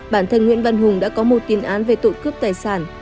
bản thân nguyễn văn hùng đã có một tiền án về tội cướp tài sản